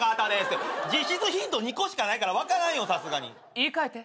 言い換えて。